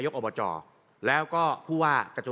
คุณหมอกลับขอเภทครับ